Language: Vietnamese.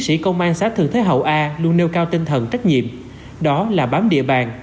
sĩ công an xã thường thế hậu a luôn nêu cao tinh thần trách nhiệm đó là bám địa bàn